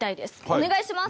お願いします！